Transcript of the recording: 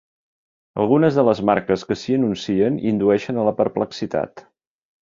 Algunes de les marques que s'hi anuncien indueixen a la perplexitat.